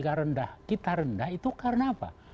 harga rendah kita rendah itu karena apa